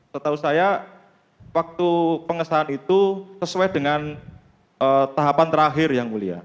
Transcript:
setahu saya waktu pengesahan itu sesuai dengan tahapan terakhir yang mulia